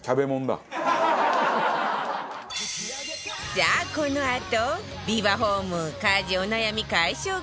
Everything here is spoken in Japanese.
さあこのあとビバホーム家事お悩み解消グッズ